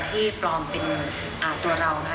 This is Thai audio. ที่ปลอมเป็นตัวเรานะคะ